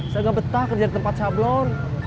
saya nggak betah kerja di tempat sablon